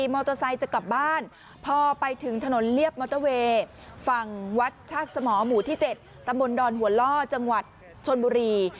วัดชาติสมหมู่๗ตำบลดอนหัวล่อจังหวัดชนบุรี